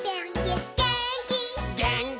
「げーんき」